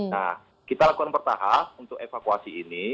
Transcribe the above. nah kita lakukan bertahap untuk evakuasi ini